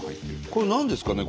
これ何ですかね？